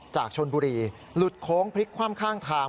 จากชนบุรีหลุดโค้งพลิกคว่ำข้างทาง